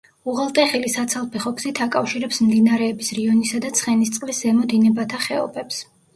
უღელტეხილი საცალფეხო გზით აკავშირებს მდინარეების რიონისა და ცხენისწყლის ზემო დინებათა ხეობებს.